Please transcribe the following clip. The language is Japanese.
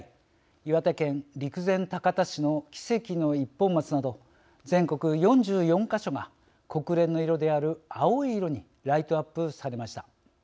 岩手県陸前高田市の奇跡の一本松など全国４４か所が国連の色である青い色にライトアップされました。